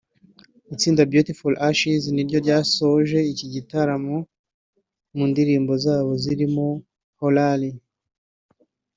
Itsinda Beauty For Ashes niryo ryasoje iki gitaramo mu ndirimbo zabo zirimo Haulali